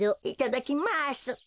いただきます。